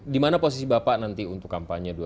di mana posisi bapak nanti untuk kampanye dua ribu dua